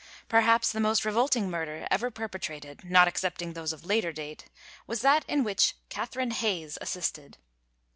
Perhaps the most revolting murder ever perpetrated, not excepting those of later date, was that in which Catherine Hayes assisted.